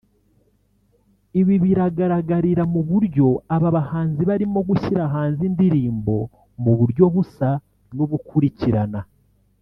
Ibi biragaragarira mu buryo aba bahanzi barimo gushyira hanze indirimbo mu buryo busa n’ubukurikirana